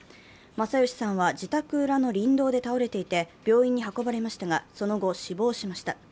昌良さんは自宅裏の林道で倒れていて病院に運ばれましたが、その後、死亡しました。